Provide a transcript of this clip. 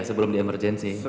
sebelum di energi